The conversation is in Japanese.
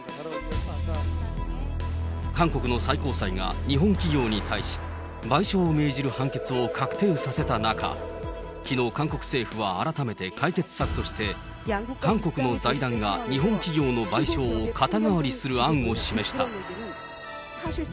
韓国の最高裁が日本企業に対し、賠償を命じる判決を確定させた中、きのう、韓国政府は改めて解決策として、韓国の財団が日本企業の賠償を肩代わりする案を示した。